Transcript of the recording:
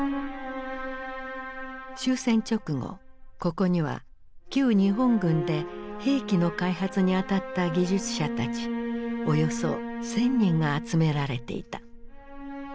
終戦直後ここには旧日本軍で兵器の開発に当たった技術者たちおよそ１，０００人が集められていた。